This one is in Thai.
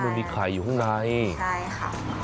อ๋อไม่มีไข่อยู่ข้างในใช่ค่ะ